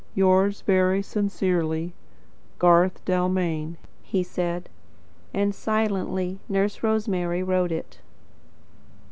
"Yours very sincerely, Garth Dalmain;" he said. And, silently, Nurse Rosemary wrote it.